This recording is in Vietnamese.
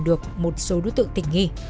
được một số đối tượng tỉnh nghi